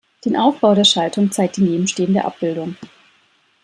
Den Aufbau der Schaltung zeigt die nebenstehende Abbildung.